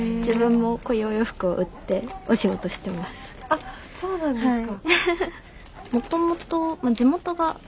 あっそうなんですか。